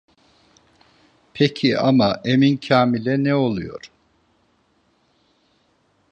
Peki ama, Emin Kâmil’e ne oluyor?